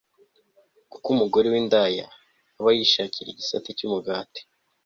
kuko umugore w'indaya aba yishakira igisate cy'umugati